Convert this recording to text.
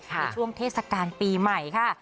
ในช่วงเทศกาลปีใหม่ค่ะ